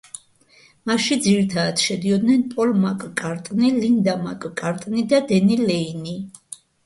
მასში ძირითადად შედიოდნენ პოლ მაკ-კარტნი, ლინდა მაკ-კარტნი და დენი ლეინი.